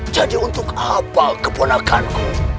jadi untuk apa kepenakanku